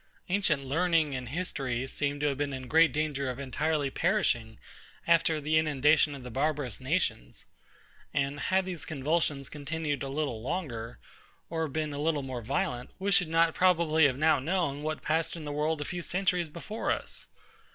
Ancient learning and history seem to have been in great danger of entirely perishing after the inundation of the barbarous nations; and had these convulsions continued a little longer, or been a little more violent, we should not probably have now known what passed in the world a few centuries before us.